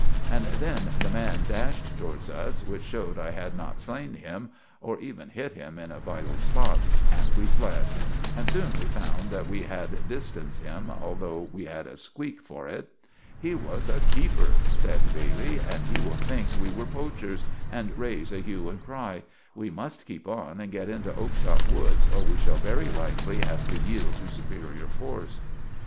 And then the man dashed towards us, which showed I had not slain him, or even hit him in a vittle spot; and we fled, and soon we found that we had distanced him, though we had a squeek for it. "He was a keeper," sed Bailey, "and he will think we were poachers, and raise a hue and cry. We must keep on and get into Oakshott Woods, or we shall very likely have to yield to supereer force."